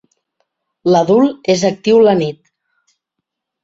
L'adult és actiu la nit.